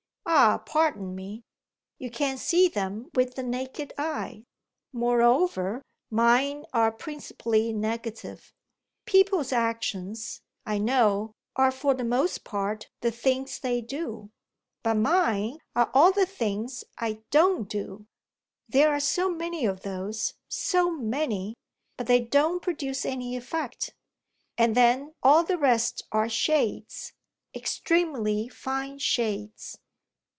"Ah pardon me. You can't see them with the naked eye. Moreover, mine are principally negative. People's actions, I know, are for the most part the things they do but mine are all the things I don't do. There are so many of those, so many, but they don't produce any effect. And then all the rest are shades extremely fine shades."